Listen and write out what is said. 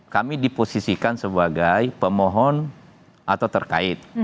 kami diposisikan sebagai pemohon atau terkait